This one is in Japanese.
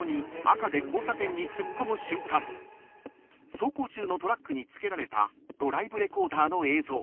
［走行中のトラックに付けられたドライブレコーダーの映像］